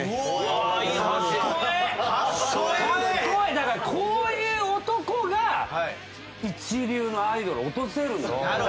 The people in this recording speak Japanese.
だからこういう男が一流のアイドルを落とせる。